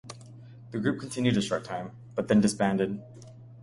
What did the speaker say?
The group continued a short time, but then disbanded.